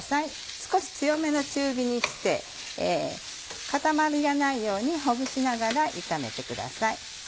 少し強めの中火にして固まりがないようにほぐしながら炒めてください。